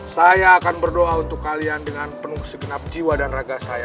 saya akan berdoa untuk kalian dengan penuh sekenap jiwa dan hati